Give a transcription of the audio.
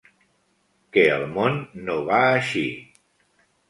Que el món no va així.